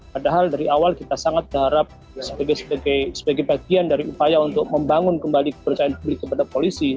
padahal dari awal kita sangat berharap sebagai bagian dari upaya untuk membangun kembali kepercayaan publik kepada polisi